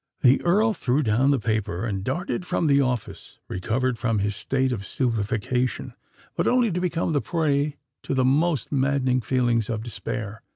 The Earl threw down the paper—and darted from the office,—recovered from his state of stupefaction, but only to become the prey to the most maddening feelings of despair.